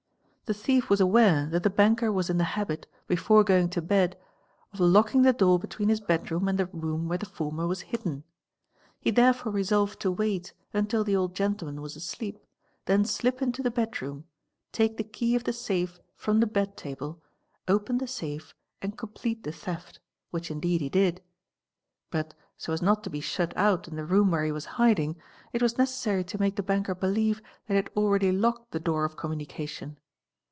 The : thief was aware that the banker was in the habit, before going to bed, of locking the door between his bed room and the room where the former was hidden. He therefore resolved to wait until the old gentleman wé asleep, then slip into the bed room; take the key of the safe from the be table, open the safe and complete the theft ; which indeed he did. Bw : so as not to be shut out in the room where he was hiding, it was neces | sary to make the banker believe that he had already locked the door ( communication.